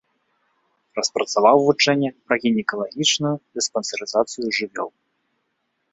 Распрацаваў вучэнне пра гінекалагічную дыспансерызацыю жывёл.